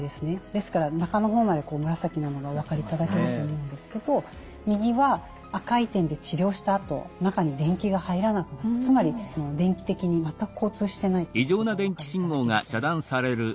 ですから中の方まで紫なのがお分かりいただけると思うんですけど右は赤い点で治療したあと中に電気が入らなくなってつまり電気的に全く交通してないということがお分かりいただけると思います。